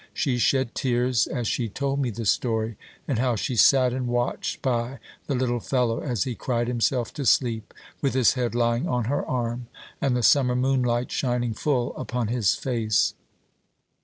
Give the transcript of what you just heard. She shed tears as she told me the story, and how she sat and watched by the little fellow as he cried himself to sleep with his head lying on her arm, and the summer moonlight shining full upon his face.